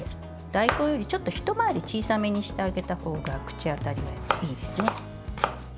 大根より、一回り小さめにしてあげたほうが口当たりがいいですね。